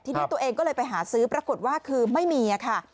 ทีนี้ตัวเองก็เลยไปหาซื้อปรากฏว่าคือไม่มีค่ะ